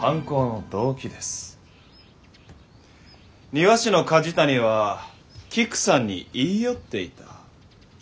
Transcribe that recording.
庭師の梶谷はキクさんに言い寄っていた。